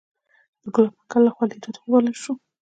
د ګلاب منګل لخوا لیدو ته وبلل شوو.